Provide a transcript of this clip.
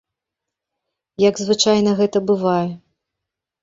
Як звычайна гэта бывае.